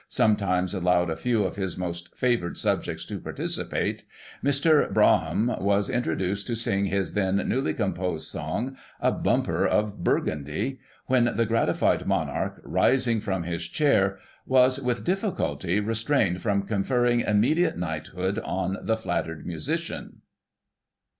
sometimes allowed a few of his most favoured subjects to participate, Mr. Braham was introduced to sing his then newly composed song, " A Bumper of Burgundy,'* when the gratified monarch, rising from his chair, was, "with difficulty, restrained from conferring imme diate knighthood on the flattered musician.